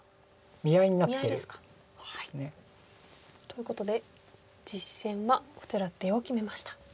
見合いになってる。ということで実戦はこちら出を決めました。